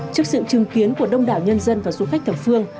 trước sự chứng kiến của đông đảo nhân dân và du khách thập phương